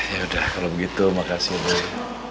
ya udah kalo begitu makasih ya boy